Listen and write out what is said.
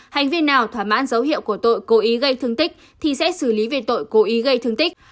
hành vi nào thỏa mãn dấu hiệu của tội cố ý gây thương tích thì sẽ xử lý về tội cố ý gây thương tích